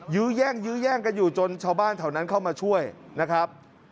ยื้อแย่งกันอยู่จนชาวบ้านเท่านั้นเข้ามาช่วยนะครับ